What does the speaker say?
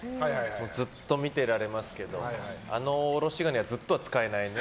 ずっと見てられますけどあのおろし金はずっとは使えないね。